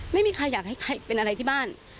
ไม่มีใครอยากให้ใครเป็นอะไรที่บ้าน